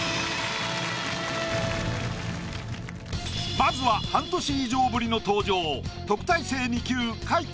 まずは半年以上ぶりの登場。